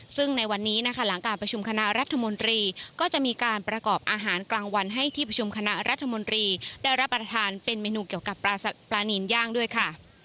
ซึ่งในวันนี้นะคะหลังการประชุมคณะรัฐมนตรีก็จะมีการประกอบอาหารกลางวันให้ที่ประชุมคณะรัฐมนตรีได้รับประทานเป็นเมนูเกี่ยวกับปลานินย่างด้วยค่ะ